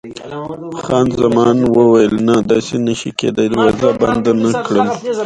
خان زمان وویل: نه، داسې نه شي کېدای، دروازه بنده نه کړم.